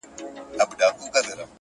• موږ که الوزو کنه خپل مو اختیار دی -